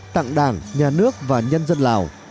tặng đảng nhà nước và nhân dân lào